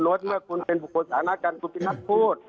เพราะว่าเมื่อคุณเป็นบุคคลสถานการณ์คุณเป็นนักพูด